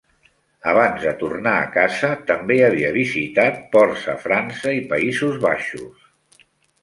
Abans de tornar a casa, també havia visitat ports a França i Països Baixos.